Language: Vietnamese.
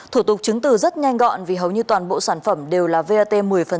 thủ tục chứng từ rất nhanh gọn vì hầu như toàn bộ sản phẩm đều là vat một mươi